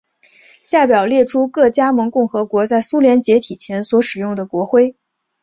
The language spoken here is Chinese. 下表列出各加盟共和国在苏联解体前所使用的国徽。